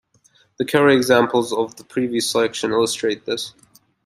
The Curry examples of the previous section illustrate this.